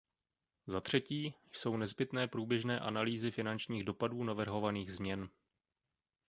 Za třetí, jsou nezbytné průběžné analýzy finančních dopadů navrhovaných změn.